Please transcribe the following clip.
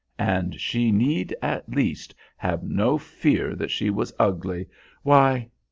And she need at least have no fear that she was ugly. Why....